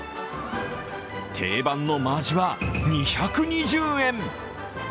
定番の真アジは２２０円。